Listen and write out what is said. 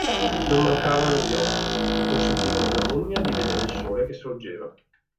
Non mancavano gli occhi, che consentivano alla mummia di vedere il sole che sorgeva.